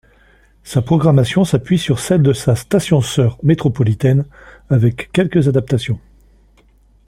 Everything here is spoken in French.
Sa programmation s'appuie sur celle de la station sœur métropolitaine, avec quelques adaptations.